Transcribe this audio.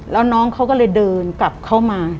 แล้วน้องเขาก็เลยเดินกลับเข้ามา